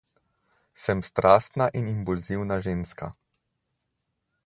Sem strastna in impulzivna ženska.